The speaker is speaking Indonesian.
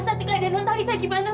mas hati keadaanmu talitha gimana mas